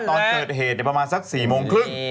ตอนเกิดเหตุประมาณสัก๔โมงครึ่ง